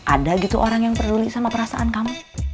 ada gitu orang yang peduli sama perasaan kamu